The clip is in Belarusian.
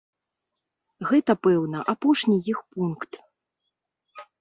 Гэта пэўна апошні іх пункт.